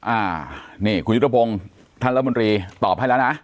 อ่านี่คุณยุทธพงศ์ท่านรัฐมนตรีตอบให้แล้วนะ